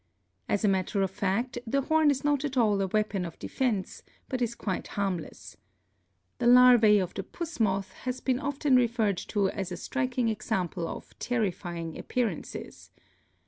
As a matter of fact, the horn is not at all a weapon of de fense, but is quite harmless. The larvae of the Puss moth has been often referred to as a striking ex ADAPTATION ample of terrifying appearances.